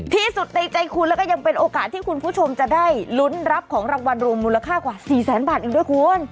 ที่สุดในใจคุณแล้วก็ยังเป็นโอกาสที่คุณผู้ชมจะได้ลุ้นรับของรางวัลรวมมูลค่ากว่า๔แสนบาทอีกด้วยคุณ